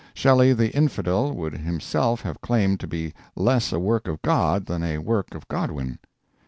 Shelley the infidel would himself have claimed to be less a work of God than a work of Godwin.